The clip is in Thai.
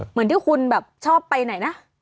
เหมือนที่คุณสามารถไปใหนนะ